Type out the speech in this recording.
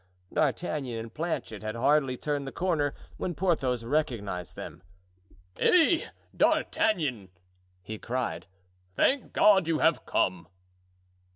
D'Artagnan and Planchet had hardly turned the corner when Porthos recognized them. "Eh! D'Artagnan!" he cried. "Thank God you have come!"